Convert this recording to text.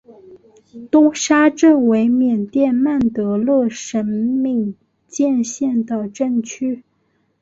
东沙镇为缅甸曼德勒省敏建县的镇区。